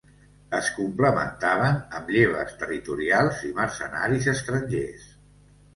Es complementaven amb lleves territorials i mercenaris estrangers.